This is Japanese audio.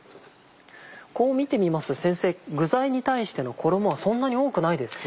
こう見てみますと具材に対しての衣はそんなに多くないですね。